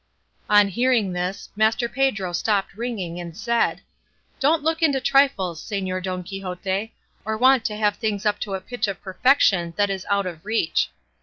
On hearing this, Master Pedro stopped ringing, and said, "Don't look into trifles, Señor Don Quixote, or want to have things up to a pitch of perfection that is out of reach.